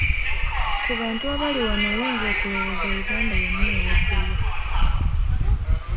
Ku bantu abali wano oyinza okulowooza Uganda yonna eweddeyo.